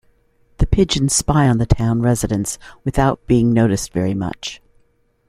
The pigeons spy on the town residents without being noticed very much.